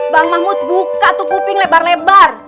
bang mahmud buka tuh kuping lebar lebar